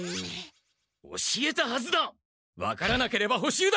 教えたはずだ。